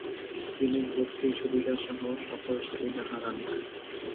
তিনি ভর্তি, সুবিধাসহ সকল সুবিধা হারান।